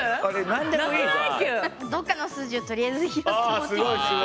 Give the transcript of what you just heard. どっかの数字をとりあえず拾って持ってきた。